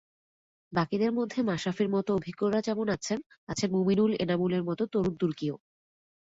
বাকিদের মধ্যে মাশরাফির মতো অভিজ্ঞরা যেমন আছেন, আছেন মুমিনুল-এনামুলের মতো তরুণ তুর্কিও।